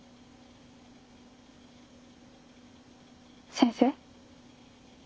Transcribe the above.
先生？